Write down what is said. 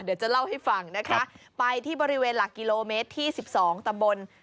เดี๋ยวจะเล่าให้ฟังนะคะไปที่บริเวณหลักกิโลเมตรที่๑๒ตำบล